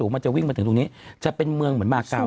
เมืองเหมือนมาเกาะ